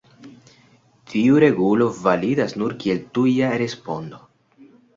Tiu regulo validas nur kiel tuja respondo.